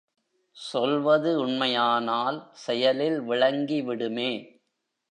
சொல்வது உண்மையானால் செயலில் விளங்கிவிடுமே.